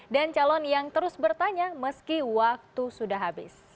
dan calon yang terus bertanya meski waktu sudah habis